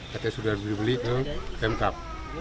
pt sudah dibeli ke pemkap